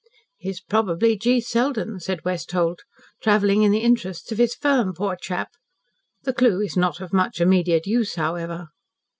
"He is probably G. Selden," said Westholt. "Travelling in the interests of his firm, poor chap. The clue is not of much immediate use, however."